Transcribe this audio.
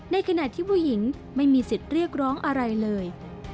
ในขณะที่ผู้หญิงไม่มีสิทธิ์เรียกร้องอะไรเลย